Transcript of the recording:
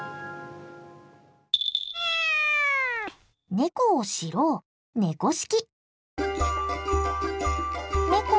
ネコを知ろう「猫識」。